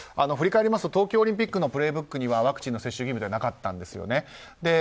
振り返りますと東京オリンピックの「プレイブック」にはワクチン接種義務というのはなかったんですよね。